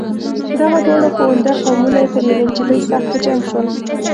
دغه دواړه پوونده قومونه پر یوې نجلۍ سخت په جنګ شول.